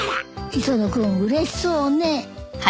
磯野君うれしそうね。